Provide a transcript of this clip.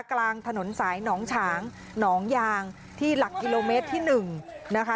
กลางถนนสายหนองฉางหนองยางที่หลักกิโลเมตรที่๑นะคะ